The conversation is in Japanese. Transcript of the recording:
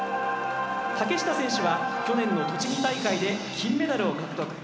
竹下選手は去年の栃木大会で金メダルを獲得。